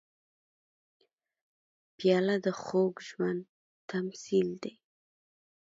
پیاله د خوږ ژوند تمثیل دی.